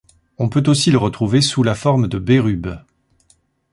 On peut aussi le retrouver sous la forme de Berube.